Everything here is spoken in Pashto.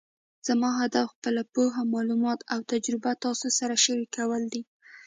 زما هدف خپله پوهه، معلومات او تجربه تاسو سره شریکول دي